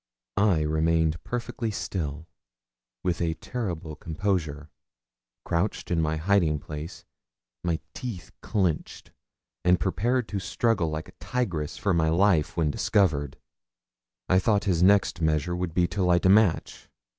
I remained perfectly still, with a terrible composure, crouched in my hiding place, my teeth clenched, and prepared to struggle like a tigress for my life when discovered. I thought his next measure would be to light a match.